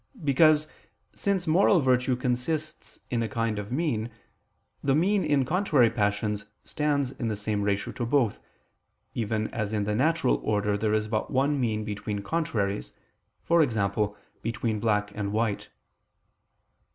Because, since moral virtue consists in a kind of mean, the mean in contrary passions stands in the same ratio to both, even as in the natural order there is but one mean between contraries, e.g. between black and white.